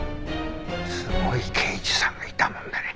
すごい刑事さんがいたもんだね。